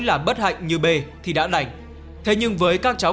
là bất hạnh như bê thì đã nảy thế nhưng với các cháu